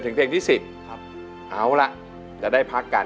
ถึงเพลงที่สิบเอาละจะได้พักกัน